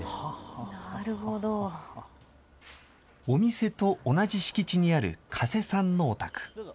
お店と同じ敷地にある加瀬さんのお宅。